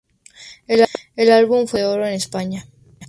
El álbum fue disco de Oro en España.